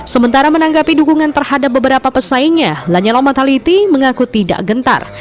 sementara menanggapi dukungan terhadap beberapa pesaingnya lanyala mataliti mengaku tidak gentar